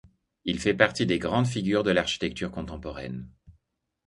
Il fait partie des grandes figures de l'architecture contemporaine.